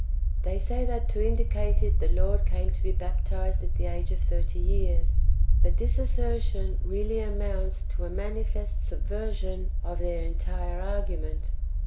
They say that to indicate it the Lord came to be baptized at the age of thirty years. But this assertion really amounts to a manifest subversion of their entire argument.